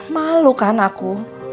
malu kan aku